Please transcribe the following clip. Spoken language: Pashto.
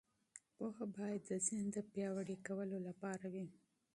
پوهه باید د ذهن د پیاوړي کولو لپاره وي.